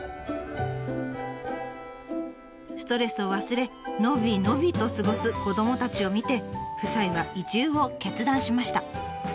ストレスを忘れ伸び伸びと過ごす子どもたちを見て夫妻は移住を決断しました。